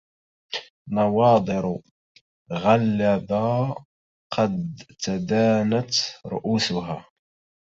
نواضر غلبا قد تدانت رءوسها